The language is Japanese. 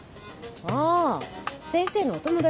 ああ先生のお友達？